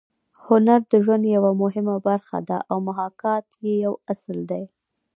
هنر د ژوند یوه مهمه برخه ده او محاکات یې یو اصل دی